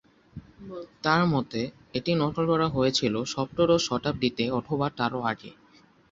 তাঁর মতে, এটি নকল করা হয়েছিল সপ্তদশ শতাব্দীতে অথবা তারও আগে।